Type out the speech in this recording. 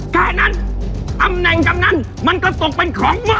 แค่นั้นตำแหน่งกำนันมันก็ตกเป็นของเมื่อ